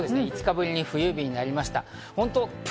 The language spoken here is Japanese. ５日ぶりに冬日となりました。